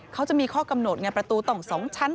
เขาจะมีข้อกำหนดไงประตูต้อง๒ชั้น